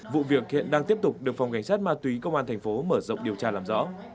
vụ việc hiện đang tiếp tục được phòng cảnh sát ma túy công an thành phố mở rộng điều tra làm rõ